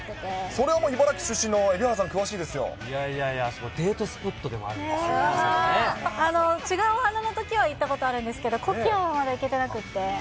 それはもう茨城出身の蛯原さいやいや、デートスポットで違うお花のときは行ったことあるんですけど、コキアはまだ行けてなくて。